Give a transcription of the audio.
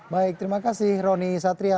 baik terima kasih roni satria